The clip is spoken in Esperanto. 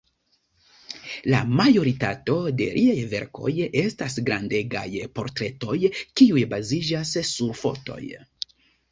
La majoritato de liaj verkoj estas grandegaj portretoj, kiuj baziĝas sur fotoj.